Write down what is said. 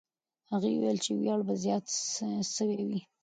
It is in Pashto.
هغه وویل چې ویاړ به زیات سوی وای.